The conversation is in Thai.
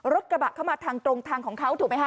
รถกระบะเข้ามาทางตรงทางของเขาถูกไหมคะ